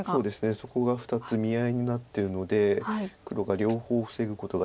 そこが２つ見合いになってるので黒が両方防ぐことがちょっと厳しい状況です。